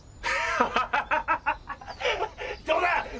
ハハハハ！